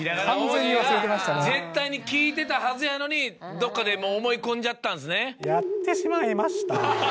絶対に聞いてたはずやのにどっかで思い込んじゃったんですね。